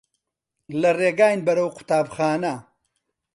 لە ڕێگاین بەرەو قوتابخانە.